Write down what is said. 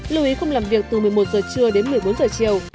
lưu ý không làm việc từ một mươi một giờ trưa đến một mươi bốn giờ chiều